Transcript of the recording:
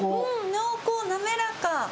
濃厚滑らか。